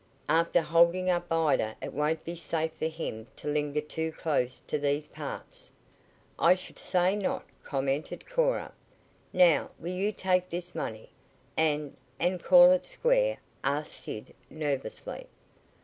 "After holding up Ida it won't be safe for him to linger too close to these parts." "I should say not," commented Cora. "Now, will you take this money, and and call it square?" asked Sid nervously.